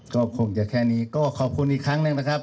ก็คงจะแค่นี้ก็ขอบคุณอีกครั้งหนึ่งนะครับ